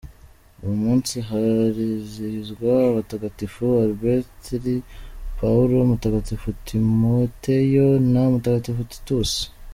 Uyu munsi harizihizwa abatagatifu: Alberic, Paula, mutagatifu Timoteyo, na mutagatifu Titus.